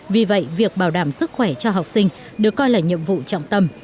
vì vậy việc bảo đảm sức khỏe cho học sinh được coi là nhiệm vụ trọng tâm